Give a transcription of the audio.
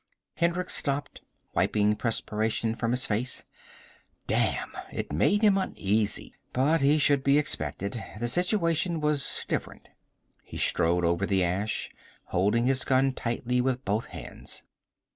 Hendricks stopped, wiping perspiration from his face. "Damn." It made him uneasy. But he should be expected. The situation was different. He strode over the ash, holding his gun tightly with both hands.